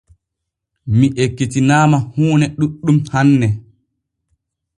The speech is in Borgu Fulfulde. Mi ekkitinaama huune ɗuuɗɗum hanne.